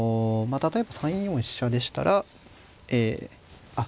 例えば３四飛車でしたらえあっ